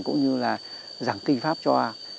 cũng như là giảng kinh pháp cho